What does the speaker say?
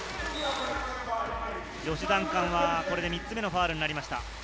ジョシュ・ダンカンはこれで３つ目のファウルになりました。